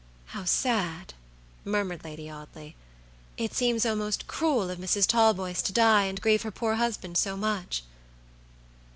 "How sad!" murmured Lady Audley. "It seems almost cruel of Mrs. Talboys to die, and grieve her poor husband so much."